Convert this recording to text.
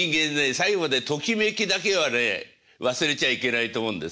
最後までときめきだけはね忘れちゃいけないと思うんです。